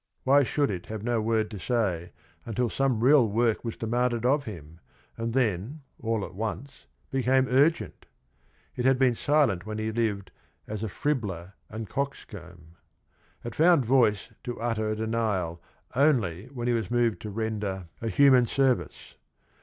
Why should it have no word to say until some real work was de manded of him, and then all at once become urgent? It had been silent when he lived as a "fribbler and coxcomb"; it found voice to utter a denial only when he was moved to render a 104 THE RING AND THE BOOK human service.